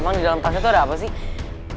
emang di dalam tasnya itu ada apa sih